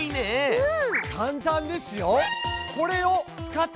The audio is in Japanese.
うん！